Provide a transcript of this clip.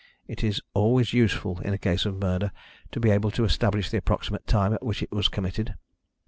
It is always useful, in a case of murder, to be able to establish the approximate time at which it was committed.